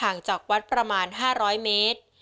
ห่างจากวัดประมาณห้าร้อยเมตร